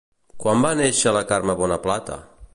Quan va néixer la Carme Bonaplata?